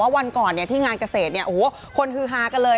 วันก่อนที่งานเกษตรคนฮือฮากันเลย